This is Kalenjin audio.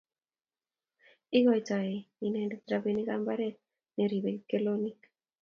ikoitoi inende robinikab mbaret ne riben kiplekonik